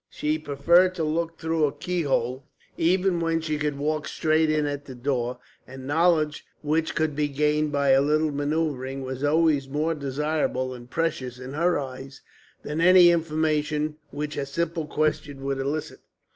She preferred to look through a keyhole even when she could walk straight in at the door; and knowledge which could be gained by a little maneuvering was always more desirable and precious in her eyes than any information which a simple question would elicit.